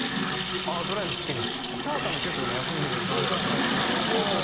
ああドライブ好きですたーたんも結構ね休みの日ドライブ行ったりとかおーたん